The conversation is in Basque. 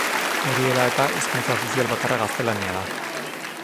Hori dela eta, hizkuntza ofizial bakarra gaztelania da.